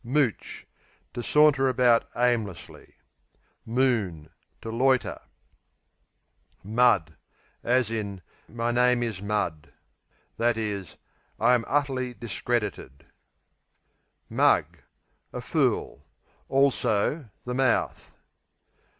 Mooch To saunter about aimlessly. Moon To loiter. Mud, my name is i.e., I am utterly discredited. Mug A fool; also the mouth.